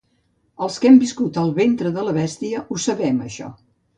Els qui hem viscut al ventre de la bèstia ho sabem, això.